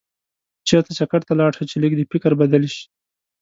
چېرته چکر ته لاړ شه چې لږ دې فکر بدل شي.